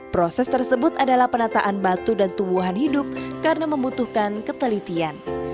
proses tersebut adalah penataan batu dan tumbuhan hidup karena membutuhkan ketelitian